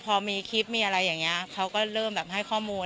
พอมีคลิปมีอะไรอย่างนี้เขาก็เริ่มแบบให้ข้อมูล